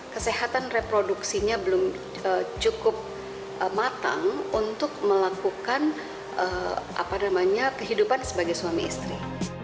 kesehatan reproduksinya belum cukup matang untuk melakukan kehidupan sebagai suami istri